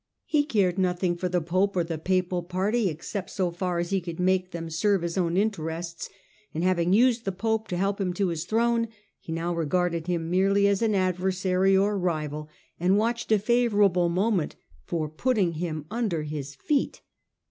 He cared nothing for the pope or the papal party, except so far as he could make them serve his own interests ; and, having used the pope to help him to his throne, he now regarded him merely as an adversary or rival, and watched a favourable moment for putting him under his feet.